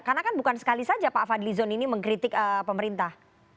karena kan bukan sekali saja pak fadil zon ini mengkritik pemerintah